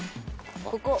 ここ。